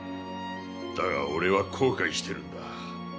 だが俺は後悔してるんだ。